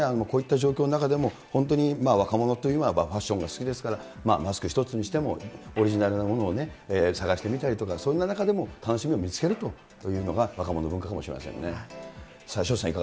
こういった状況の中でも、本当に若者というのは、ファッションが好きですから、マスク一つにしても、オリジナルのものを探してみたりとか、そんな中でも、楽しみを見つけるというのが若者の文化かもしれませんね。